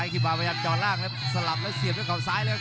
คีย์บาร์มายันต์จอดล่างแล้วสลับแล้วเสียบเข้าซ้ายเลยครับ